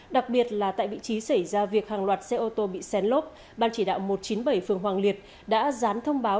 đặc biệt là tại vị trí xảy ra việc hàng loạt xe ô tô bị xén lốp ban chỉ đạo một trăm chín mươi bảy phường hoàng liệt đã dán thông báo